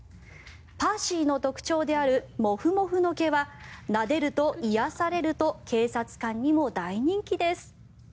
パーシーの特徴であるモフモフの毛はなでると癒やされると警察官にも大人気です。